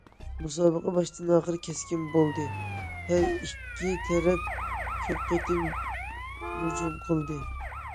مۇسابىقە باشتىن- ئاخىر كەسكىن بولدى، ھەر ئىككىلا تەرەپ كۆپ قېتىم ھۇجۇم قىلدى.